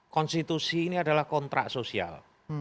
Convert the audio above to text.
konstitusi ini adalah kontrak sosial